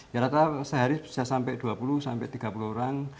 ya rata sehari bisa sampai dua puluh sampai tiga puluh orang